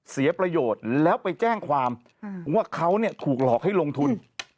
เสียประโยชน์แล้วไปแจ้งความว่าเขาถูกหลอกให้ลงทุน